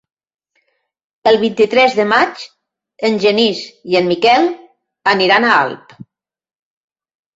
El vint-i-tres de maig en Genís i en Miquel aniran a Alp.